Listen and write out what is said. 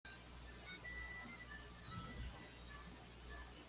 De acuerdo con Köppen y Geiger el clima se clasifica como Csa.